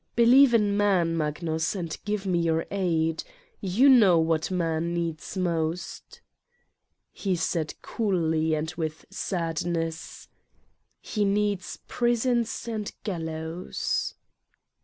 Believe in Man, Magnus, and give me your aid. You know X.what Man needs most." He said coldly and with sadness : "He needs prisons and gallows."